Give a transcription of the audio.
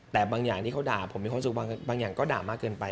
แต่บางอย่างที่เขาด่าผมมีความสุขบางอย่างก็ด่ามากเกินไป